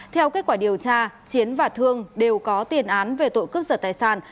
theo kết quả điều tra chiến và thương đều có tiền án về tội cướp giật tài sản